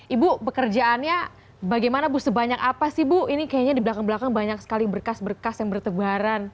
ibu pekerjaannya bagaimana bu sebanyak apa sih bu ini kayaknya di belakang belakang banyak sekali berkas berkas yang bertebaran